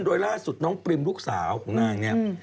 โดยล่าสุดน้องปริมลูกสาวของนางเนี่ย